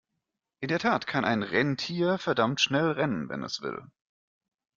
In der Tat kann ein Rentier verdammt schnell rennen, wenn es will.